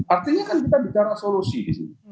artinya kan kita bicara solusi disini